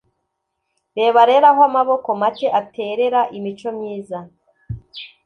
Reba rero aho amaboko make aterera imico myiza,